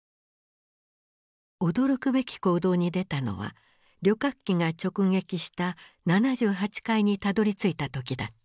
驚くべき行動に出たのは旅客機が直撃した７８階にたどりついた時だった。